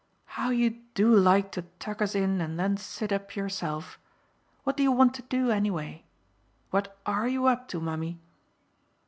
"How you DO like to tuck us in and then sit up yourself! What do you want to do, anyway? What ARE you up to, mummy?"